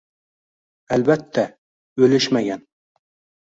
Albatta, o'liwmagan